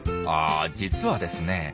あ実はですね